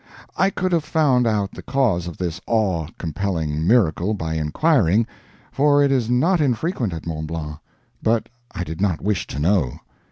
I could have found out the cause of this awe compelling miracle by inquiring, for it is not infrequent at Mont Blanc, but I did not wish to know.